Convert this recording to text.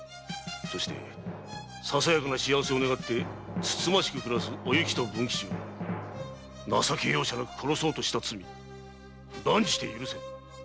そしてささやかな幸せを願ってつつましく暮らすおゆきと文吉を情け容赦なく殺そうとした罪断じて許せん。